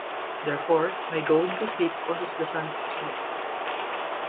Therefore, my going to sleep causes the sun to set.